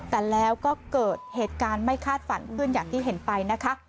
แต่แล้วก็เกิดเหตุการณ์ไม่คาดฝันขึ้นอย่างที่เห็นไปนะคะ